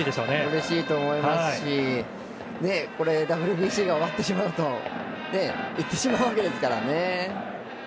うれしいと思いますしＷＢＣが終わってしまうと行ってしまうわけですからね。